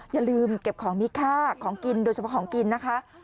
อย่าลืมเก็บของมีค่าของกินโดยเฉพาะของกินนะคะ